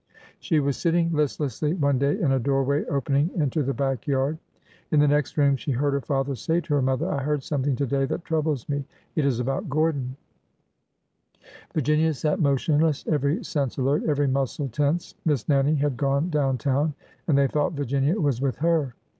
She was sitting listlessly one day in a doorway open ing into the back yard. In the next room she heard her father say to her mother : I heard something to day that troubles me. It is about Gordon." CONFIRMATION STRONG 369 Virginia sat motionless, every sense alert, every muscle tense. Miss Nannie had gone down town and they thought Virginia was with her.